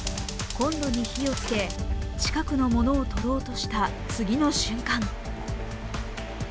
こんろに火をつけ近くの物を取ろうとした次の瞬間。